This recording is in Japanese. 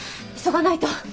急がないと！